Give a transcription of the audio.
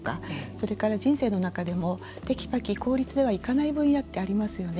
それから人生の中でもテキパキ、効率ではいかない分野ってありますよね。